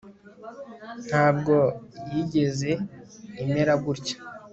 ntabwo yigeze imera gutya